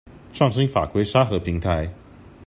創新法規沙盒平台